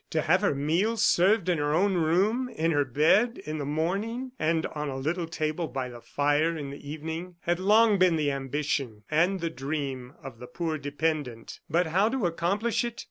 To have her meals served in her own room, in her bed in the morning, and on a little table by the fire in the evening, had long been the ambition and the dream of the poor dependent. But how to accomplish it!